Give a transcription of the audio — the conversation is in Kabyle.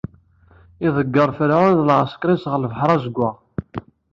Iḍeyyer Ferɛun d lɛesker-is ɣer lebḥeṛ azeggaɣ.